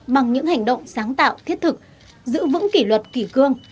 bằng những hành động sáng tạo thiết thực giữ vững kỷ luật kỷ cương